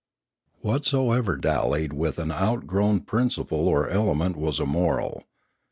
Whatsoever dallied with an outgrown principle or element was immoral.